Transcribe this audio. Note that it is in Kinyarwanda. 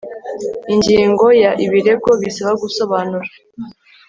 ingingo ya ibirego bisaba gusobanura